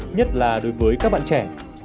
nhất là đối với các bạn trẻ